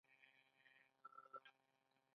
دوی د سرو زرو کانونه لري.